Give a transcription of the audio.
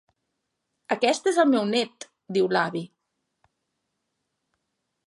"Aquest és el meu net", diu l'avi.